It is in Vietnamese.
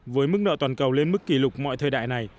với mức nợ toàn cầu lên mức kỷ lục mọi thời đại này